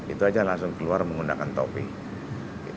itu aja langsung keluar menggunakan topping